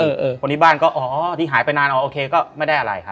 คนที่บ้านก็อ๋อที่หายไปนานอ๋อโอเคก็ไม่ได้อะไรครับ